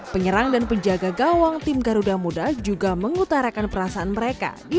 penyerang dan penjaga gawang tim garuda muda juga mengutarakan perasaan mereka di